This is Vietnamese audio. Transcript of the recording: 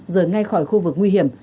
rời ngay khỏi khu vực nguy hiểm